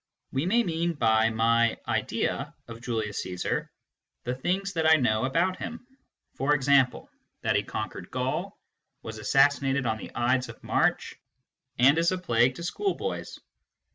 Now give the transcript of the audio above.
We may mean by my " idea " of Julius Caesar the things that I know about him, e.g. that he conquered Gaul, was assassinated on the Ides of March, and is a plague to schoolboys.